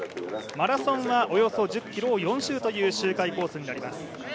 マラソンはおよそ１０ｋｍを４周という周回コースになります。